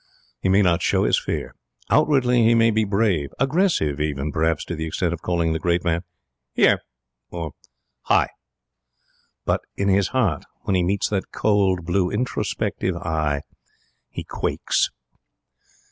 He may not show his fear. Outwardly he may be brave aggressive even, perhaps to the extent of calling the great man 'Here!' or 'Hi!' But, in his heart, when he meets that, cold, blue, introspective eye, he quakes.